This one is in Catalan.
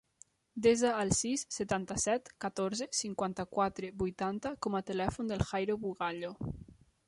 Desa el sis, setanta-set, catorze, cinquanta-quatre, vuitanta com a telèfon del Jairo Bugallo.